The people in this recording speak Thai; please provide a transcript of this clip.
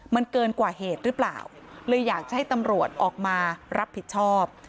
มันเกินกว่าเหตุหรือเปล่าเลยอยากจะให้ตำรวจออกมารับผิดชอบ